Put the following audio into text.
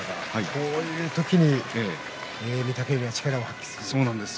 こういう時に御嶽海は力を発揮するんだと。